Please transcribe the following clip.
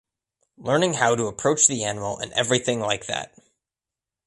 Learning how to approach the animal and everything like that.